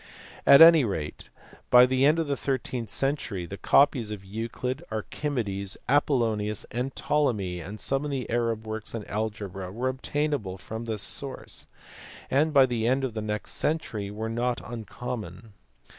Afc any rate by the end of the thirteenth century copies of Euclid, Archimedes, Apollonius, Ptolemy, and some of the Arab works on algebra were obtainable from this source, and by the end of the next century were not uncommon.